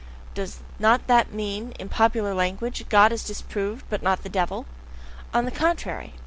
Does not that mean in popular language: God is disproved, but not the devil?" On the contrary!